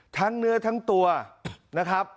เนื้อทั้งตัวนะครับ